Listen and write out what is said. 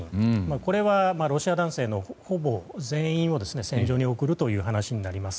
これはロシア男性のほぼ全員を戦場に送るという話になります。